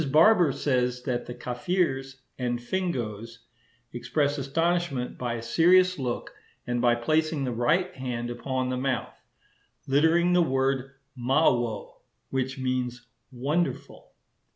Barber says that the Kafirs and Fingoes express astonishment by a serious look and by placing the right hand upon the mouth, uttering the word mawo, which means 'wonderful.